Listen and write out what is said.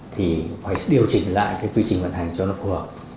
thì phải điều chỉnh lại cái quy trình vận hành cho nó phù hợp